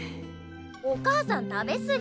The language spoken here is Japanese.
お母さん食べ過ぎ。